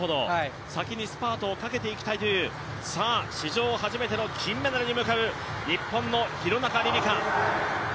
先にスパートをかけていきたいという史上初めての金メダルに向かう日本の廣中璃梨佳。